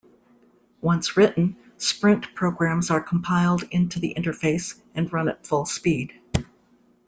Once written, Sprint programs are compiled into the interface, and run at full speed.